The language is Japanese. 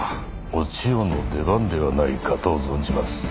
お千代の出番ではないかと存じます。